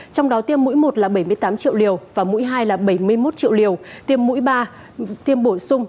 trong đó tiêm mũi một là bảy mươi tám triệu liều và mũi hai là bảy mươi một triệu liều tiêm mũi ba tiêm bổ sung